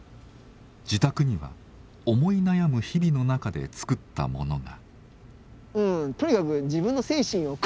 自宅には思い悩む日々の中で作ったものが。